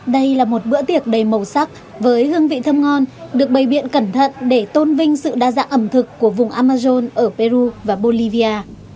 đây là một bữa tiệc đầy màu sắc với hương vị thơm ngon được bày biện cẩn thận để tôn vinh sự đa dạng ẩm thực của vùng amazon ở peru và bolivia